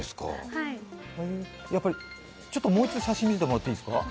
やっぱりもう一度写真見せてもらっていいですか？